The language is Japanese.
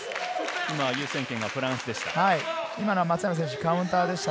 今、優先権がフランスでした。